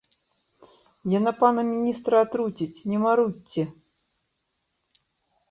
Яна пана міністра атруціць, не марудзьце.